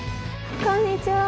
こんにちは。